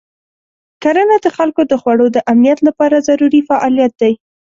کرنه د خلکو د خوړو د امنیت لپاره ضروري فعالیت دی.